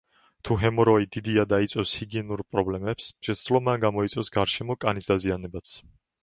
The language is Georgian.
თუ ჰემოროი დიდია და იწვევს ჰიგიენურ პრობლემებს, შესაძლოა მან გამოიწვიოს გარშემო კანის დაზიანებაც.